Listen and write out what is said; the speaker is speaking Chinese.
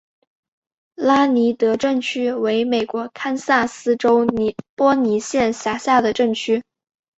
拉尼德镇区为美国堪萨斯州波尼县辖下的镇区。